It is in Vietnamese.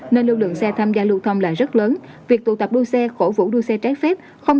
nên lưu lượng xe tham gia lưu thông là rất lớn việc tụ tập đua xe cổ vũ đua xe trái phép